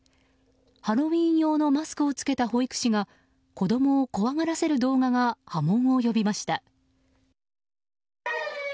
ハロウィーン用のマスクを着けた保育士が子供を怖がらせる動画が波紋を呼びました。